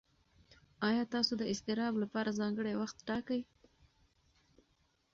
ایا تاسو د اضطراب لپاره ځانګړی وخت ټاکئ؟